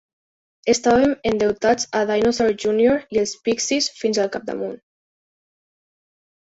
Estàvem endeutats a Dinosaur Junior i els Pixies fins al capdamunt.